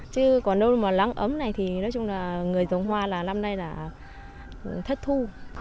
chứ còn đâu mà lắng ấm này thì nói chung là người giống hoa là năm nay là thất thu